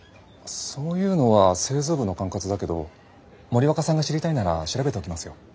そういうのは製造部の管轄だけど森若さんが知りたいなら調べておきますよ。